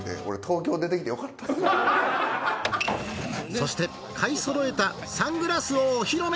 そして買い揃えたサングラスをお披露目！